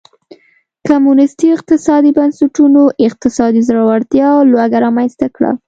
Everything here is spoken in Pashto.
کمونېستي اقتصادي بنسټونو اقتصادي ځوړتیا او لوږه رامنځته کړه.